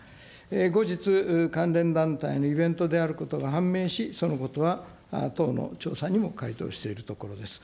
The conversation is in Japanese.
後日、関連団体のイベントであることが判明し、そのことは党の調査にも回答しているところです。